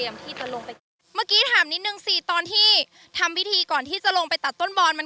เมื่อกี้ถามนิดนึงสิตอนที่ทำพิธีก่อนที่จะลงไปตัดต้นบอลมัน